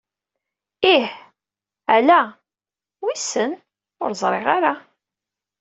Ih. Ala. Wissen. Ur ẓriɣ ara.